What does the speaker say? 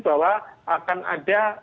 bahwa akan ada